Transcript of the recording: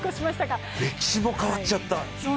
歴史も変わっちゃった。